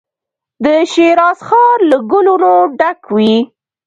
د شیراز ښار له ګلو نو ډک وي.